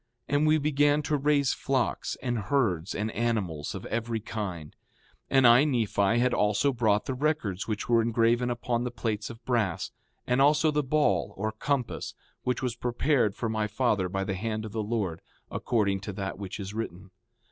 And we began to raise flocks, and herds, and animals of every kind. 5:12 And I, Nephi, had also brought the records which were engraven upon the plates of brass; and also the ball, or compass, which was prepared for my father by the hand of the Lord, according to that which is written.